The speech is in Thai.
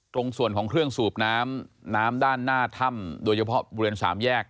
ตรงส่วนของเครื่องสูบน้ำน้ำด้านหน้าถ้ำโดยเฉพาะบริเวณสามแยก